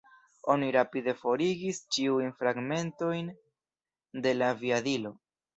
Oni rapide forigis ĉiujn fragmentojn de la aviadilo.